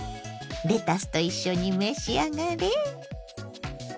レタスと一緒に召し上がれ。